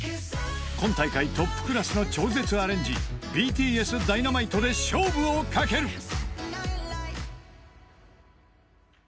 ［今大会トップクラスの超絶アレンジＢＴＳ『Ｄｙｎａｍｉｔｅ』で勝負を掛ける］